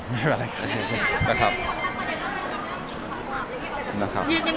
ไม่เป็นไรค่ะนะครับ